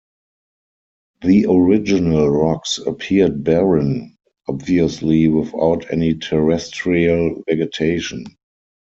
The original rocks appeared barren, obviously without any terrestrial vegetation.